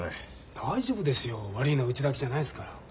大丈夫ですよ悪いのはうちだけじゃないんすから。